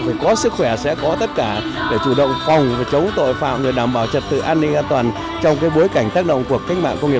và có sức khỏe sẽ có tất cả để chủ động phòng và chống tội phạm và đảm bảo trật tự an ninh an toàn trong bối cảnh tất cả